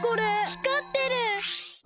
ひかってる！